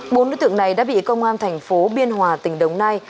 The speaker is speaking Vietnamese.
bốn đối tượng này đã bị công an thành phố biên hòa tỉnh đồng nai